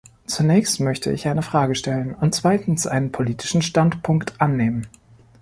Zuerst möchte ich eine Frage stellen und zweitens einen politischen Standpunkt annehmen.